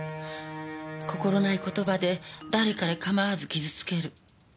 心無い言葉で誰彼かまわず傷つける。